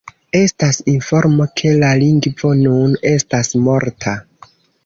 Estas informo ke la lingvo nun estas morta.